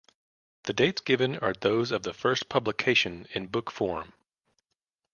The dates given are those of the first publication in book form.